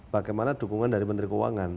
bagaimana dukungan dari menteri keuangan